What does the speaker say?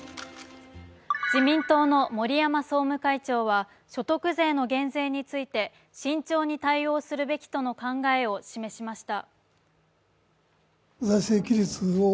自民党の森山総務会長は所得税の減税について慎重に対応するべきとの考えを示しました。